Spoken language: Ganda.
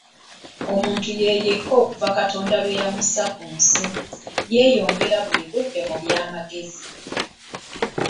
Omuntu yekka okuva Katonda lwe yamussa ku nsi, yeeyongera buli budde mu by'amagezi.